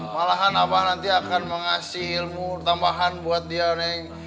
malahan abah nanti akan mengasih ilmu tambahan buat dia nih